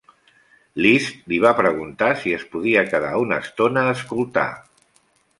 Liszt li va preguntar si es podia quedar una estona a escoltar.